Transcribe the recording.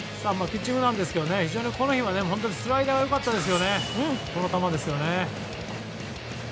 ピッチングなんですが非常にこの日はスライダーが良かったですよね。